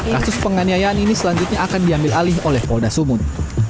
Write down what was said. kasus penganiayaan ini selanjutnya akan diambil alih oleh polda sumut